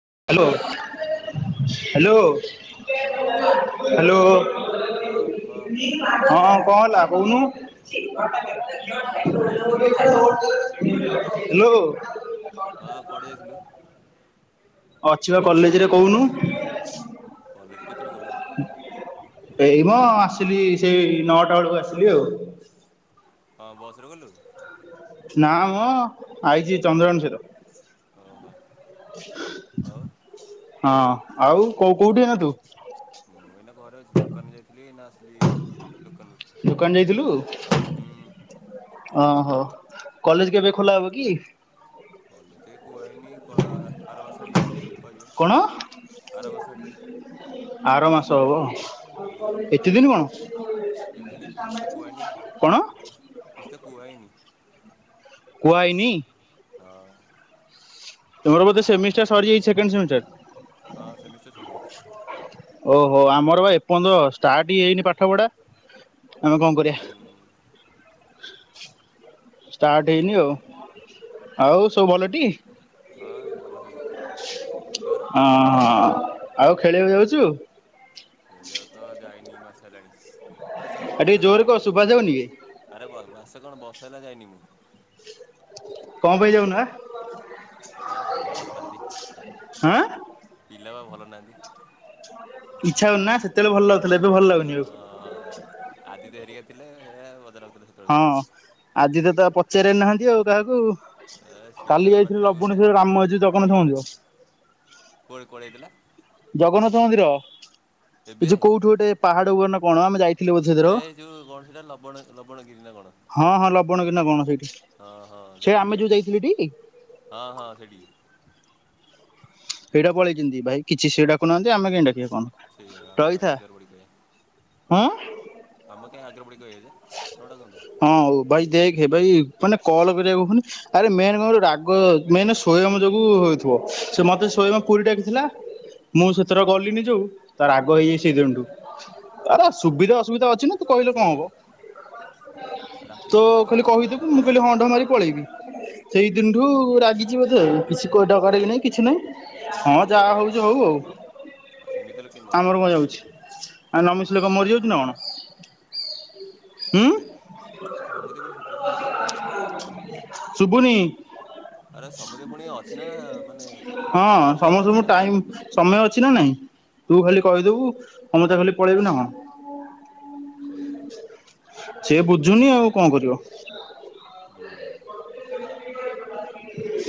Hello hello ହଁ hello ହଁ ହଁ କଣ ହେଲା। କୁଆଡ଼େ ଯାଇଥିଲୁ ଆଜି କହୁନୁ। [inaudible] ହ୍ୟାଲୋ। ହଁ ପଢିଯାଇଥିଲୁ? ଅଛି ବା କଲେଜରେ କହୁନୁ। କଲେଜ କେତେବେଳେ ଗଲୁ ଏଇି ମ ଆସ। ଥିଲି ସେଇ ନଅଟା ବେଳକୁ ଆସିଲି ଆଉ ହଁ ବସରେ ଗଲୁ? ନା ମ ଆଇଛି ଚନ୍ଦ୍ରନ ସହିତ। ଓହୋ ଆଉ [inaudible] ହଁ ଆଉ କୋଉ କୋଉଠି ଏଇନା ତୁ? ମୁଁ ଏଇନା ଘରେ ଅଛି ଦୋକାନ ଯାଇଥିଲି ଏଇନା ଆସିଲି। ଦୋକାନରୁ ଦୋକାନ ଯାଇଥିଲୁ? ହୁଁ ଓହୋ କଲେଜ କେବେ ଖୋଲା ହବ କି? କଲେଜ କୁହା ହେଇନି ଆର ମା ସ଼ିରେ ଯଦି କଣ ପାଇହିବ ଆରାମ ଆଡିକି। ଆର ମାସ ହେବ। ଏତେ ଦିନ କେଜାଣି କଣ କିଛି ତ କୁହାହେଇନି କଣ? କିଛି ତ କୁହାହେଇନି କୁଆାଇନି। ହଁ। ତମର ବୋଧେ ସେମିଷ୍ଟାର ସରିଯାଇଛି ସେକେଣ୍ଡ ସେମିଷ୍ଟାର। ହଁ ସେମିଷ୍ଟର ସରିଜାଇଛି। ଓହୋ ଆମର ବା ଏପର୍ଯନ୍ତ ଷ୍ଟାର୍ଟ ହିଁ ହୋଇନି ପାଠ ପଢା ଆମେ କଣ କରିବା। ହୁଁ ଷ୍ଟାର୍ଟ ହେଇନି ଆଉ ଆଉ ସବୁ ଭଲଟି। ଆଉ ହଁ ଭଲ ସବୁ ତୋର ହ ହ। ଆଉ ଖେଳିବାକୁ ଯାଉଛୁ? ତ ଯାଇନି ମାସ ହେଲାଣି ମାସେ କଣ ଟିକେ ବର୍ଷେ ହେଲାଣି ଜୋରରେ କହ ଯାଇନି ଶୁଭା ଯାଉନି କି ଆରେ ମାସେ କଣ ବସ ମାସେ ହେଲା ଯାଏନି ମୁଁ। କଣ ପାଇଁ ଯାଉନ? କ ପିଲା ବାଲ ଦଦି ହଁ ପିଲ ବାବୁ। ଭଲ ନାହନ୍ତି। ଇଚ୍ଛା ହଉନନି ନା? ସେତେବେଳେ ଭଲ ଲାଗୁଥିଲା ଏବେ ଭଲ ଅ ଲାଗୁନି ଆଉ। [unintelligible] ହଁ। ଚେରେ ନାହାନ୍ତି ଆଉ କା ଏ ସିଏ ତାର କାଲି ଯାଇଥିଲୁ ବାଟରେ ବୁଲୁଛି ଲବୁଣୀସ୍ୱର ରାମ ମନ୍ଦିର ଜଗନ୍ନାଥ ମନ୍ଦିର। କୁଆଡେ କୁଆଡେ ଯାଇଥିଲା? ଜଗନ୍ନାଥ ମନ୍ଦିର। ଏ ଯୋଉ କୋଉଠୁ ଗୋଟେ ପାହାଡ ବର୍ଣ୍ଣ କଣ ଆମେ ଯାଇ ଏଇ ଯୋଉ କଣ ସେଟା ଲବଣ ଲବଣ ଗିରିନା କଣ? ହଁ ହଁ ଲବଣ ଗିରି‌ ନା କଣ ସେଇଠି ହଁ ହଁ ସେ ଜଟଣୀ ଆମେ ଆଡ଼େ ଯୋଉ ଜାଇ ଥିଲୁଟି। ହଁ ହଁ ସେଇଠି ସେଇଟା ପଳେଇଛନ୍ତି ଭାଇ କିଛି ସେ ଡାକୁୁନାହାନ୍ତି ଆମେ କାଇଁ ଡାକିବୁ? କିଏ ସେଇଆ ଆମ କଣ କାଇଁ ରହିଥା। ଆଗରେ ପଡିକି କହିବା। ଆଁ। ଆମେ କାଇଁ ଆଗରେ ପଡିକି କହିବା ନ ଡାକନ୍ତୁ ହଁ ଭାଇ ଦେ ଦେଖେ ଭାଇ ମାନେ କଲ କରିବାକୁ କହୁନି ଆରେ ମେନ କଣ ରାଗ ହୁଁ ହୁଁ ମେନ [inaudible] ଆରେ ସୁବିଧା ଅସୁବିଧା ଅଛି ନା ତୁ କହିଲେ କଣ ସେଇଆ। ହବ? ଡାକିବ ତ କଣ ସାଙ୍ଗେ ସାଙ୍ଗେ ଖାଲି ପଳେଇବ ନା କଣ? କହିଥିବୁ ମୁଁ ଖାଲି ହ ଟା ମାରିକି ପଳେଇବି। [inaudible] ହଁ ରାଗି ଥାଉ ଯାହା ମୋ ହଉଛି ହଉ ଆଉ ସେମିତି ହେଲେ କେମିତି ହବ ଆମର ଯାଏ କଣ ଖାଏ ଯାଉଛି ଆଉ ନ ସିଚୁସନ ମିଶିଲେ ପୁଣି କଣ ଅଛି ନା ନାହିଁ ମରିଯାଉଛି କଣ ସମସ୍ତିଙ୍କର। ହୁଁ [inaudible] ଶୁବୁନି। [inaudible] ଅଛି ନା ମାନେ କାମ ଅଛି ନା ତୁ ଖାଲି କହିଦବୁ [inaudible] ସେଇଆ ସେ ବୁଝୁନି ଆଉ କଣ କରିବ [inaudible] ହୁଁ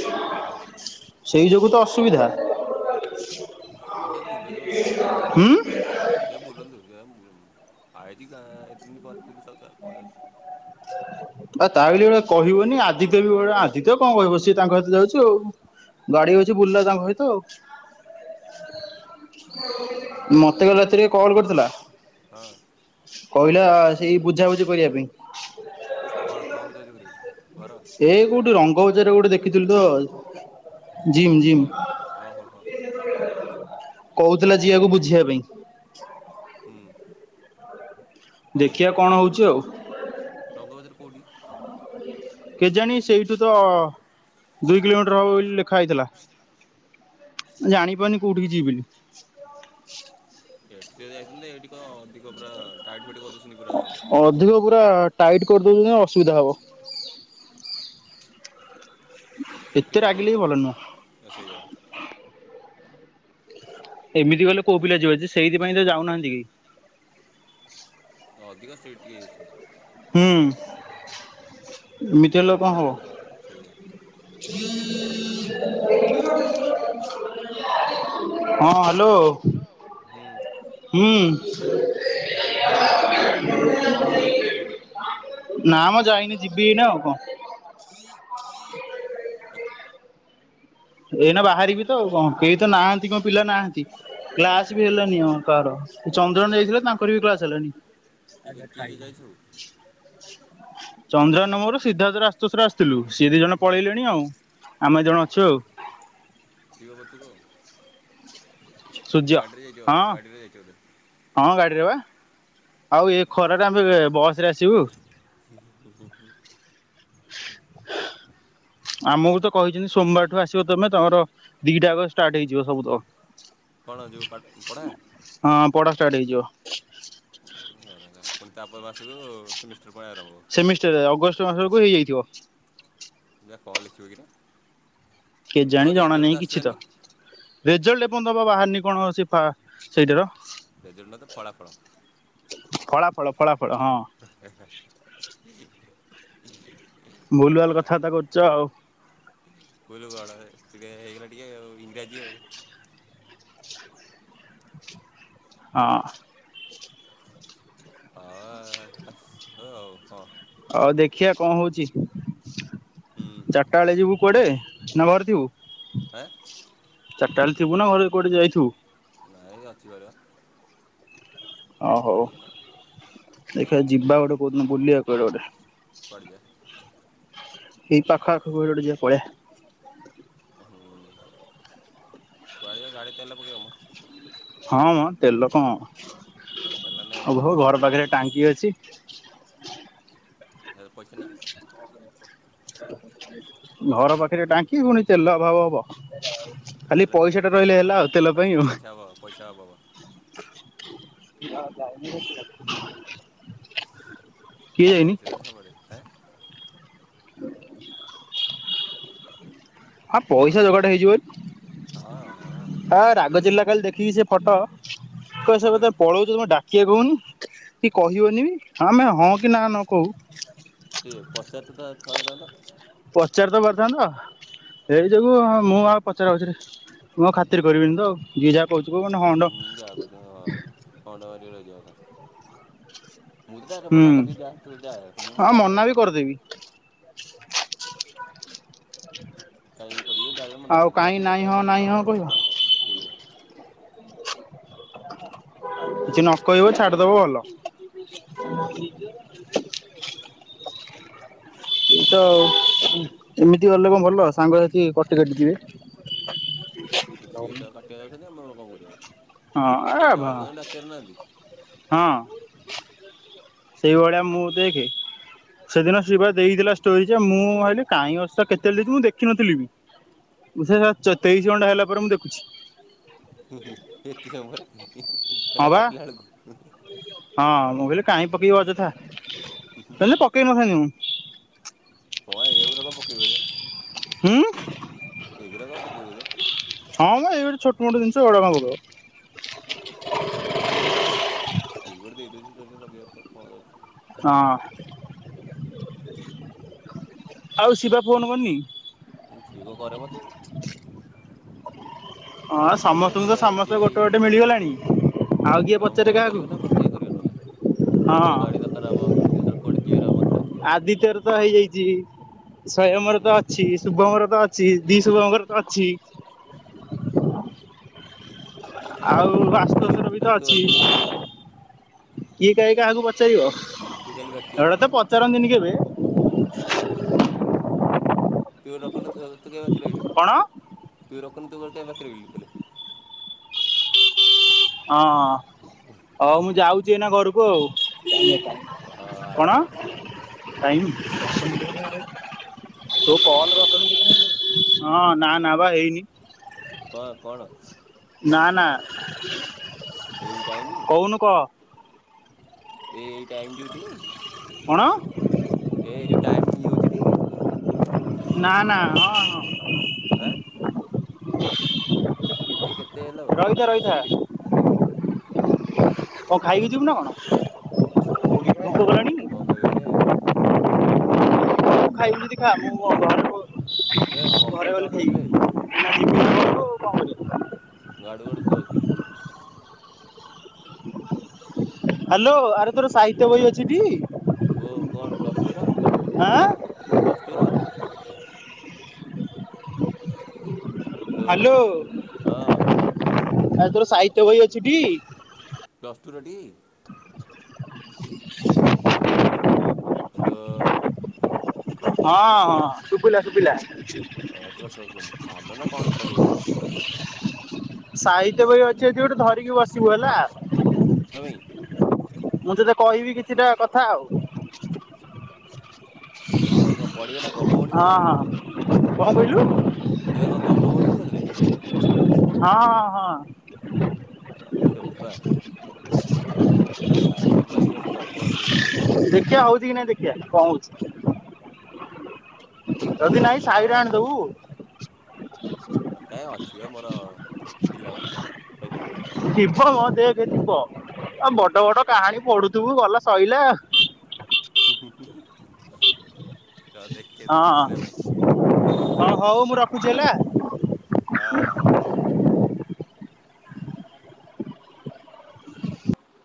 ଆଉ କଣ ଅ ସେ ବୁଲନ୍ତୁ ମ ତମର କଣ ଯାଉଛି? ହୁଁ ଆଇଚି କା ଏତେଦିନ ପରେ ବୁଲୁଥାଉ ତାର କଣ ଯାଉଛି? ଆ ତାହଲେ କହିବନି ଆଦିତ୍ୟ ବିଳିଆ ଆଦିତ୍ୟ କଣ କହିବ ସିଏ ତାଙ୍କ ସହିତ ଯାଉଛି ଆଉ ଗାଡି ଅଛି ବୁର୍ଲା ତାଙ୍କ ସହିତ ଆଉ। ମୋର କାଁ ମତେ ରାତିରେ କଲ କରିଥିଲା। ହଁ କହିଲା ସେଇ ବୁଝାବୁଝି କରିବା ପାଇଁ। କଣ କ ବୁଝା ବୁଝି କରିବି? ସେ କୋଉଠି ରଙ୍ଗ କୋଉଚାର ଗୋଟେ ଦେଖିଥିଲୁ ତ ଆଉ। Gym gym. କଣ ଓହୋ ହୋ ହୁଁ କହୁଥିଲା ଯିିବାକୁ ବୁଝିବା ପାଇଁ। କଣ କହିଲୁ ଦେଖିବା କଣ ହଉଛି ଆଉ। ରଙ୍ଗବଜାର କଉଟି? କେଜାଣି ସେଇଠୁ ତ ଦୁଇ କିଲୋମିଟର ହବ ବୋଲି ଲେଖା ହେଇଥିଲା ଜାଣି ପାରୁନି କୋଉଠିିକ ଯିବି ବୋଲି। ସେ ଯାଇଥିଲେ ଏଠି କଣ ଅଧିକ ପୁରା ଟାଇଟ୍ ଫାଇଟ୍ କରଦ ଅଧିକ ପୁରା ଟାଇଟ୍ କରିଦଉଛନ୍ତି ନା ଅସୁବିଧା ହବ। ଏତେ ଏଠି ଭଲରେ ରାଗିଲେ ବି ଏକା ଭଲ ନୁହଁ। ଲାଗେ ସେଇଆ। ଏମିତି ଗଲେ କୋଉ ପିଲା ଯିବେ ଯେ ସେଇଥିପାଇଁ ତ ଯାଉନାହାନ୍ତି କେହି। ଅଧିକ ଷ୍ଟ୍ରିଟ ଟିକେ ହେଇଯାଇଛନ୍ତି। ହୁ ମିଛେଇଲେ ଆଉ କଣ ହେବ। ସେଇଆ। ହଁ ହ୍ୟାଲୋ। ହୁଁ ହୁଁ। କଲେଜ ଆସି ନେବେ। ନା, ମୁଁ ଯାଇନି ଯିବି ଏଇନା, ଆଉ କଣ। ଏଇନା ବାହାରିବି କଣ କରିବି, ଏଠାରେ କେହି ନାହାନ୍ତି ପିଲାମାନେ ମଧ୍ୟ ନାହାନ୍ତି, କ୍ଲାସ୍‌ ବି ହେଲାନି ଆମର ଚନ୍ଦ୍ରନ ସାର୍ ଆଉ ଯାଇଥିଲେ, ତାଙ୍କର ମଧ୍ୟ କ୍ଲାସ୍‌ ହେଲାନି। କି କିଏ ଆଜ୍ଛା କିଏ ଯାଇଛ ଖାଇଛନ୍ତିଛନ୍ତି। ଚନ୍ଦ୍ର ମାମୁଙ୍କ ଘରୁ ସିଦ୍ଧାର୍ଥଙ୍କ ଆଶ୍ରମକୁ ଆସିଥିଲୁ ସେ ଦୁଇଜଣ ହୁଁ ପଳାଇଗଲେଣି, ଆଉ ଏବେ ଆମେ ଦୁଇ ଜଣ ମାତ୍ର ଅଛୁ ଆଉ। କି ବାବ ତୁ କ [unintelligible] ସୂର୍ଯ୍ୟ ଗାଡ଼ିରେ ହଁ। ଯାଇଛନ୍ତି ବୋଧେ। ହଁ ଗାଡିରେ ବା। ଆଉ ଏ ଖରା ଟାରେ ଆମେ ବସ ରେ ଆସିବୁ। ହୁଁ ହୁଁ ହୁଁ ହୁଁ ହୁଁ। ଆମକୁ ତ କହିଛନ୍ତି, ସୋମବାରଠାରୁ ଆସିବ ତୁମର ତ ସବୁକିଛି ସୋମବାରଠାରୁ ଆରମ୍ଭ ହୋଇଯିବ। କଣ ପାଠ ପଢ଼ି ହଁ ପଢା ଯିବା? ଷ୍ଟାର୍ଟ ହେଇଯିବ। ପୁଣି ତା ପର ମାସକୁ ସେମିଷ୍ଟର ପୁଣି ଆରମ୍ଭ। ହବ। ସେମିଷ୍ଟର ଅଗଷ୍ଟ ମାସକୁ ହେଇଯାଇଥିବ। ଏଇଟା କଣ ଲେଖିବା କିରେ? ତୋ କେଜାଣି ଜଣା ରେଜଲ୍ଟ ନାହିଁ କିଛି ତ। ଆସିଲାନି ରେଜଲ୍ଟ ଏ ପର୍ଯ୍ୟନ୍ତ ପା ବାହାରିନି ପା କଣ ସେଇଟାର ରେଜଲ୍ଟ ଟା ତ ଫଳାଫଳ ଫଳା ଫଳ ଫଳା ଫଳ। ହଁ। ହଁ। ଭୁଲ୍ ଭାଲ୍ କଥାବାର୍ତ୍ତା କରୁଛ ଆଉ। ବୁଝିଲୁ କଣ ଟିକେ ହେଇଗଲା ଟିକେ ଇଂରାଜୀ ଆଉ। ହଁ ହଉ ଆଉ ହଁ ଆଉ ଦେଖାଯାଉ କଣ ହେଉଛି। ହୁଁ ଚାରିଟା ବେଳେ ଯିବୁ କୁଆଡ଼େ, ନା ଘରେ ଥିବୁ? ଆଁ ଚାରିଟା ବେଳେ ଥିବୁ ନା ଘରେ କୁଆଡ଼େ ଯାଇଥିବୁ ହାଇ ରାଥି ଗ [unintelligible] ହଉ ହଉ। ଦେଖିବା, ଯିବା ଗୋଟେ କୋଉଦିନ ବୁଲିବା କୁଆଡ଼େ ଗୋଟେ। କୁଆଡ଼େ ଯିବା ଏଇ ପାଖ ଆଖକୁ କୁଆଡ଼େ ଗୋଟିଏ ଯିବା ପଳେଇବା। ଯୁଆଡ଼େ ଯାଅ ଗାଡ଼ିରେ ତେଲ ପକେଇବମ ହଁ ମଁ ତେଲ କଣ ମୋର ତେଲ ନାହିଁ ଆଉ ମୋର ହୋଉ ଘର ପାଖରେ ଟାଙ୍କି ଅଛି। ଛି। ଏ ପଇସା ନାଇଁ ଘର ପାଖରେ ଟାଙ୍କି ପୁଣି ତେଲ ଅଭାବ ହବ ଖାଲି ତେଲଟେ ନେଇ ଟା ରହିଲେ ପଇସା ହେଲା ଆଉ ପଇସା ତେଲ ପାଇଁ ପଇସା ଆଉ। ପଇସାହବ ପଇସା ଅଭାବ ହ ଯାଇନ [unintelligible] ପଇସା ସବୁ ବେଳେ ହଁ। [inaudible] ହଁ କଣ ପଇସା ହେଲା ଯୋଗାଡ଼ ହଁ ହଁ ହେଇଯିବନି ହେଇଯିବ ରାଗ ଜିଲ୍ଲା କାଲି ଦେଖୀ। କି ସେ ଫଟୋ କଣଟା କସମ ବେ ପଳଉଛ ତମେ ଡା [unintelligible] କିଏ କୁହନି କି କହିବନି ବି ଆମେ ହଁ କି ନା ନ କହୁ। ସିଏ ପଚାରିତ ଟା ଥରେଥାନ୍ତା। ପଚାରି ତ ପାରିଥାନ୍ତା ଏଇ ଯୋଗୁଁ ହଁ ମୁଁ ଆଉ ପଚାରପୁଚୁରି ମୁଁ ଖାତିର କରିବିନି ତ ଯିଏ ଯାହା କହୁଛିୁ। କହୁ କ ହଣ୍ଡ ଉଁ ଯାହା କହୁଛ ହଁ ହଣ୍ଡା ମାରିକି ରହିଯିବା କଥା ମୁଁ ତଟାରେ ହୁଁ ବନ କି ଯା ତୁ ଯା ମୁଁ ହଁ ମନା ବି ମରେନବି କରିଦେବି [unintelligible] କାହିଁ କହିବି ଡାଇରେକ୍ଟ ମନା ଆଉ କରିଦେବି। ଯିିଏ କାହିଁ ତ ନାଇ ନାଇଁ କାଁ ହଁ ମନା ନାଇଁ ହଁ କହିବ କରିବି ହ ବେକାର କିଛି ନ କହିବ ସେଇଆ ଛାଡିଦବ ଭଲ। [inaudible] ଏ ତ ଏମିତି ଗଲେ କଣ ଭଲ ସାଙ୍ଗସାଥି କଟି କଟି ଯିବେ। ସିଏ ତ କାଟି ଜ ଆମେ ଆଉ କଣ କରିବି ଆ। ହଁ ଆବ ହଁ ସେଇଭଳିଆ ମୁଁ ଦେଖେ ସେଦିନ ସେ ପା ଦେଇଥିଲା ଷ୍ଟୋରି ମୁଁ ଭାବିଲି କାହିଁ ଅବଶ୍ୟ କେତଳେ ମୁଁ ଦେଖିନଥିଲି ବି ସେ ତେଇଶି ଘଣ୍ଟା ହେଲା ପରେ ମୁଁ ଦେଖୁଛି। ଏତେ ସମୟପରେ ହଁ ହେଲେ ବା କଟିଲା ବେଳକୁ ହଁ ମୁଁ କହିଲି କାହିଁ ପିବ ଯଥା ହେଲେ ପକେଇ ନଥାନ୍ତିି ମୁଁ। ହଁ ଏଉରା କଣ ପକେଇବଜେ। ହ। ଦେଉଦ [inaudible] ହଁ ବେ ଇଏ ଗୋଟେ ଛୋଟ ମୋଟ ଜିନିଷ ଏଗୁଡା ମାଗୁଚ। ବରେ ଠ ବ ଦେଇଛି ଲି [inaudible] ହଁ ଆଉ ଶିବା ଫୋନ କରିନି ଠିକ କର ମତେ। ହଁ ତା ସିଏ ସମସ୍ତଙ୍କୁ ତ ତା ସିଏ ସମସ୍ତେ ଭାଇ ଗୋଟେ ଗୋଟେ ମିଳିଗଲାଣି ଆଉ ସିଏ କିଏ କାମ ପଚାରେେ ପଇଲେ କରିବ ନା ମତେ କାହିଁ କରିବ ନହେଲେ। କାହାକୁ ହଁ କେତେ କୋଟ ଯିବାର ହବ। ଡାକିବ। ଆଦିତ୍ୟ ର ତୋ ହେଇଯାଇଛି। ସ୍ୱୟମ ହୁଁ ର ତୋ ଅଛି ଶୁଭମର କିଛି ତ ଅଛି ଦି ଶୁଭଙ୍କର ତୋ ଅଛି। ଆଉ। ତୁ ବାସ୍ତବର ତୁ ବି ତ ଖାଲି ତୁ ଅଛି। ବାକି ଅଛୁ ଆଉ କିଏ କାହିଁ କାହାକୁ ପଚାରିବ? ତୁ ଖାଲି ବାକି ଏଗୁଡାକ ଅଛୁ। ତ ପଚାରନ୍ତିନି କେବେ। [inaudible] ତୁ ନେବୁନି ତୋ? ତୁ କାହିଁକି ବାକି ରହିଲୁ କଣ ତୁଇ ରଖ। ତୁ ବାକି ରହିଲୁ ତାହାଲେ। ହଁ ହଉ ମୁଁ ଯାଉଛି ଏଇନା ଘରକୁ ଆଉ ହଁ ଆସ କଣ ଆସ ଟାଇମ୍ ତୁ ଫୋନ କେତେ ରଖେ ବେ ସିଧା ହଁ ନା ନା ବା ହେଇନି। କୁଆ କଣ? ନା ନା। ଏଇ ଟାଇମି। କହୁନୁ କହ ଟାଇମ ଡ଼ିୟୁଟି କଣ ଏ ଯୁ ଟାଇମ୍ ହେଉଛି ଟି। ନା ନା ହଁ ହଁ। ଆ। କେତେ କେତେ ହେଲେ ରହିଥା ହବ ରହିଥା ଦଶମିନିଟ? କଣ ଖାଇକି ଯିବୁ ନା କଣ? ଭୋକ କଲାଣି? କଣ ତୁ ଖାଇବେ କିରେ ତୁ ଖାଇବୁ ଯଦି ଖା ମୁ ଏ [unintelligible] ପବନ ଘରେ ସାଉଣ୍ଡ ଗଲେ ହେଉଛି ବେ ଖାଇବି। [inaudible] ତୁ କହ। [inaudible] ଗାଡୁ ଗାଡୁ ଶୁଭା ଯାଉଛି ଖାଲି। ହାଲୋ ଆରେ ତୋର ସାହିତ୍ୟ ବହି ଅଛି ଟି? କୁହ କଣ ପ୍ଲସ ଟୁ ର? ଆଁ। ପ୍ଲସ ଟୁ ର? ହାଲୋ ହଁ। ଆରେ ତୋର ସାହିତ୍ୟ ବହି ଅଛି ଟି? ପ୍ଲସଟୁ ର ଟି? ହାଲୋ। ହଁ ଶୁଭିଲା ଶୁଭିଲା। [unintelligible] ପାଦ କଣ ସେଟା କେଜାଣି? ସାହିତ୍ୟ ବହି ଅଛି ଏଠି ଗୋଟେ ଧରିକି ବସିବୁ ହେଲା। କଣ ପାଇଁ ମୁଁ ତତେ କହିବି କିଛିଟା କଥା ଆଉ। ଏ କଣ ପଢ଼ିବେ ନା ଗପ ହଁ ପଢିବ ନା କଣ ହଁ ସେଥିରେ? [unintelligible] ତତେ କଣ ଗପ ପଢ଼ିବି ସେଥିରେ? ହଁ ହଁ ହଁ। ଚୋପା। [inaudible] ତ ସାହିତ୍ୟ ତାରିଖସ ଗପ ବସିବ ସେଇଠି ପଢିବ। ଆଜ୍ଞା [unintelligible] ଯଦି ନାଇଁ ଉଁ ସାହିରେ ଆଣିଦବୁ। ଅ ଆଜ୍ଞା ଅଛିି ବା ମୋର, ଥିଲା ବା ସାହିତ୍ୟ ବହିଟା। ସିଏ ଥିବା ଆଉ ବଡ ବଡ କାହାଣୀ ପଢୁଥିବୁ ଗଲା ସଇଲା ଆଉ। ହ ହୁଁ ହଁ। ହଁ [unintelligible] ହଁ ହଉ ମୁଁ ରଖୁଛି ହେଲା। ହଁ ହଁ ହ ହଉ। [inaudible]